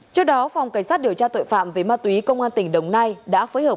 trước đó phòng cảnh sát điều tra tội phạm về ma túy công an tp hcm đã phối hợp